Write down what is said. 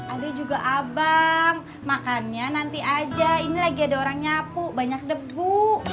ada juga abang makannya nanti aja ini lagi ada orang nyapu banyak debu